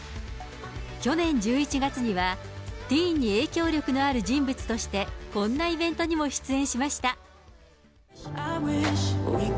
去年１１月には、ティーンに影響力のある人物として、こんなイベントにも出演しました。